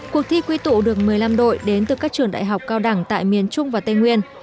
cuộc thi quy tụ được một mươi năm đội đến từ các trường đại học cao đẳng tại miền trung và tây nguyên